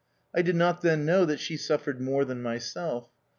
I did not then know that she suffered more than myself.